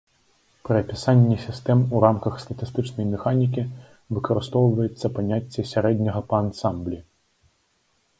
Пры апісанні сістэм у рамках статыстычнай механікі выкарыстоўваецца паняцце сярэдняга па ансамблі.